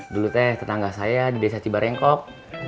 dulu teh tetangga saya di desa cibarengkok